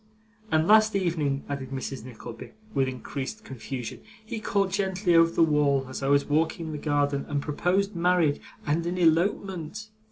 And last evening,' added Mrs. Nickleby, with increased confusion, 'he called gently over the wall, as I was walking in the garden, and proposed marriage, and an elopement.